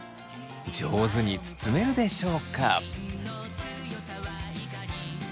上手に包めるでしょうか。